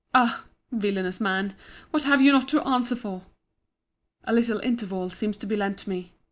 —Ah! villanous man! what have you not to answer for! A little interval seems to be lent me.